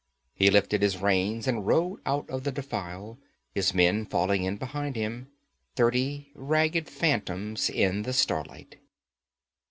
He lifted his reins and rode out of the defile, his men falling in behind him thirty ragged phantoms in the starlight.